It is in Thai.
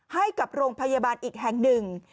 ให้กับโรงพยาบาลอีกแห่งหนึ่ง